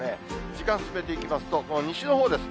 時間進めていきますと、西のほうです。